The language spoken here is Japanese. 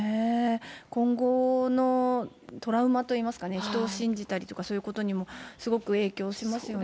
今後のトラウマといいますかね、人を信じたりとか、そういうことにも、すごく影響しますよね。